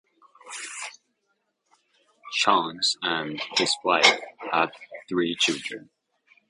Jones and his wife have three children.